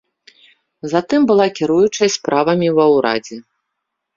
Затым была кіруючай справамі ва ўрадзе.